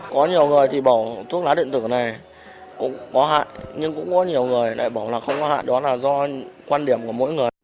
có nhiều người thì bảo thuốc lá điện tử này cũng có hại nhưng cũng có nhiều người lại bảo là không có hại đó là do quan điểm của mỗi người